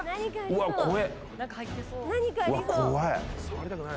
うわ、怖い。